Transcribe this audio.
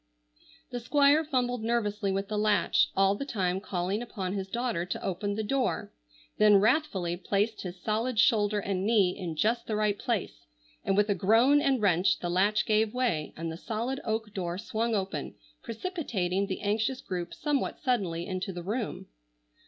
The Squire fumbled nervously with the latch, all the time calling upon his daughter to open the door; then wrathfully placed his solid shoulder and knee in just the right place, and with a groan and wrench the latch gave way, and the solid oak door swung open, precipitating the anxious group somewhat suddenly into the room.